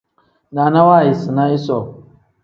Naana waayisina isoo.